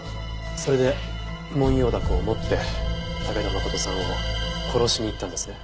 それでモンヨウダコを持って武田誠さんを殺しに行ったんですね？